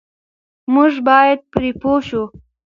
موږ بايد پرې پوه شو.